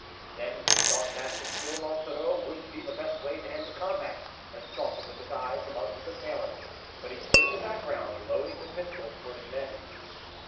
Then he thought that to kill Monsoreau would be the best way to end the combat, and sought him with his eyes among his assailants, but he stood in the background, loading the pistols for his men.